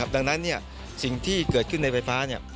ดังนั้นสิ่งที่เกิดขึ้นในไฟฟ้า